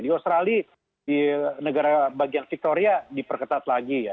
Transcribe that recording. di australia di negara bagian victoria diperketat lagi ya